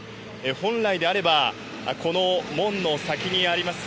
本来であれば、この門の先にあります